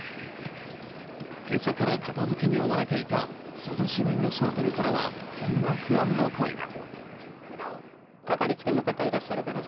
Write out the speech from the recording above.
今朝から片づけに追われていた珠洲市内の商店からはこんな不安の声が。